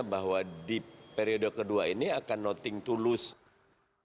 bahwa di periode kedua ini akan nothing to lose